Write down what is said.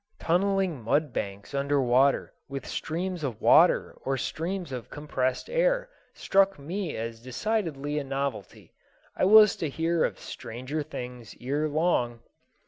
Tunneling mud banks under water, with streams of water or streams of compressed air, struck me as decidedly a novelty. I was to hear of stranger things ere long.